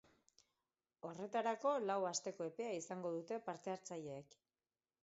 Horretarako lau asteko epea izango dute parte-hartzaileek.